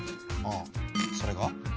ああそれが？